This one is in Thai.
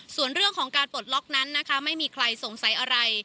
ส่วนเรื่องของการปลดล็อกนั้นนะคะไม่มีใครสงสัยอะไร